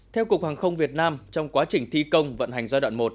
theo cục hàng không việt nam trong quá trình thi công vận hành giai đoạn một